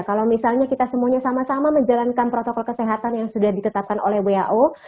kalau misalnya kita semuanya sama sama menjalankan protokol kesehatan yang sudah ditetapkan oleh who